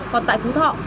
còn tại phú thọ